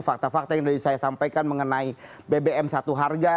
fakta fakta yang tadi saya sampaikan mengenai bbm satu harga